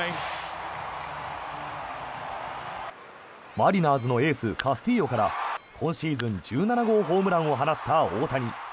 マリナーズのエースカスティーヨから今シーズン１７号ホームランを放った大谷。